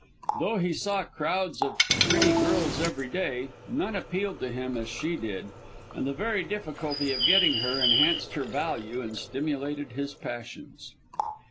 Though he saw crowds of pretty girls every day, none appealed to him as she did and the very difficulty of getting her enhanced her value and stimulated his passions.